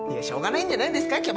しょうがないんじゃないんですか。